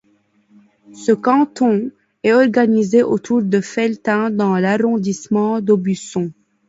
Ce canton est organisé autour de Felletin dans l'arrondissement d'Aubusson.